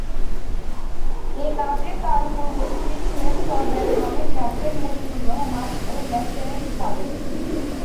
এ কাজে তার পূর্বসূরী ছিলেন পর্যায়ক্রমে ক্যাপ্টেন মতিউর রহমান ও লেফটেন্যান্ট সাদেক।